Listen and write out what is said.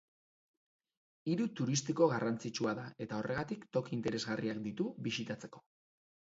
Hiri turistiko garrantzitsua da, eta horregatik toki interesgarriak ditu bisitatzeko.